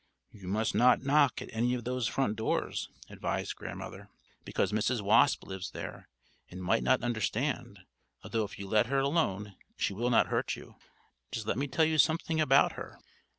"You must not knock at any of those front doors," advised Grandmother, "because Mrs. Wasp lives there, and might not understand; although if you let her alone she will not hurt you. Just let me tell you something about her."